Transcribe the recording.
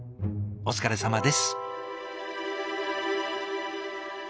お疲れさまです。